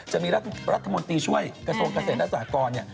จะมีรัฐมนตรีช่วยกระทรวงเกษตรและสากร